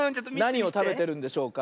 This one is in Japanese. なにをたべてるんでしょうか？